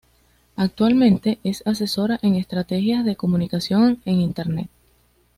Actualmente, es asesora en Estrategias de Comunicación en Internet.